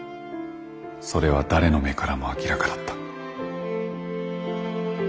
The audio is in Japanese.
それは誰の目からも明らかだった。